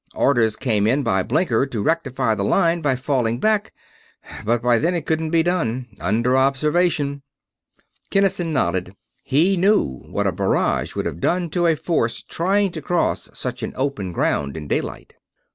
Orders come in by blinker to rectify the line by falling back, but by then it couldn't be done. Under observation." Kinnison nodded. He knew what a barrage would have done to a force trying to cross such open ground in daylight.